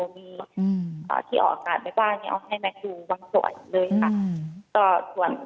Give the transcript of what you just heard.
มีที่ออกอากาศไปบ้างเนี่ยเอาให้แม็กดูบางส่วนเลยค่ะ